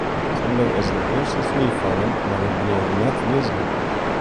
Desimber is de earste snie fallen, mar it bliuw net lizzen.